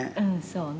そうね」